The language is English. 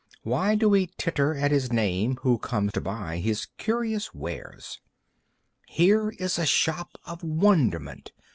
Why do we titter at his name Who come to buy his curious wares? Here is a shop of wonderment.